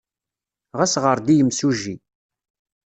Ɣas ɣer-d i yemsujji.